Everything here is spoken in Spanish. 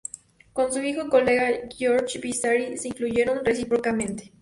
Con su amigo y colega Giorgio Vasari se influyeron recíprocamente.